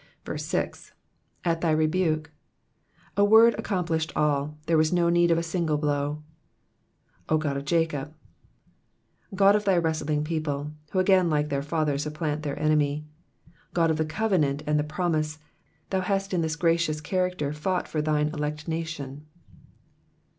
6. di thy rebuke,''^ A word accomplished all, there was no need of a single blow. 0 Qod of Jacob.'*'* God of thy wrestling people, who again like their father supplaut their enemy ; God of the covenant and the promise, thou hast in this gracious character fought for thine elect nation.